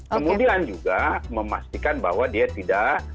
kemudian juga memastikan bahwa dia tidak